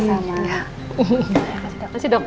terima kasih dokter